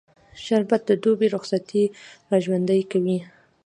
شربت د دوبی رخصتي راژوندي کوي